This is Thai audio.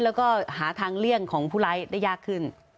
แล้วก็หาทางเลี่ยงของผู้ร้ายได้ยากขึ้น